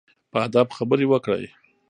په ادب خبرې وکړئ.